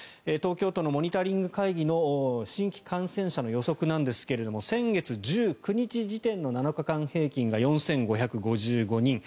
東京都のモニタリング会議の新規感染者の予測ですけど先月１９日時点の７日間平均が４５５５人。